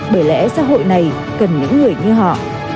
bởi lẽ xã hội này cần những người như họ